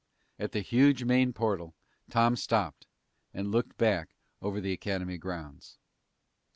At the huge main portal, Tom stopped and looked back over the Academy grounds.